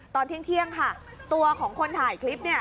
ตอนเที่ยงค่ะตัวของคนถ่ายคลิปเนี่ย